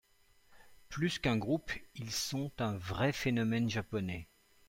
Plus qu'un groupe, ils sont un vrai phénomène japonais.